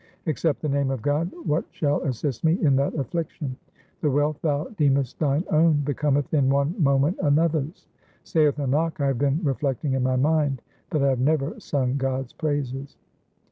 1 Except the name of God what shall assist me in that affliction ? The wealth thou deemest thine own becometh in one moment another's. Saith Nanak, I have been reflecting in my mind that I have never sung God's praises.